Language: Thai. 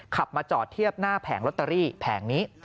ขับมาจอดเทียบหน้าแผงลอตเตอรี่แผงนี้